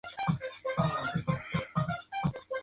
La pareja tuvo una hija, Julie Jane.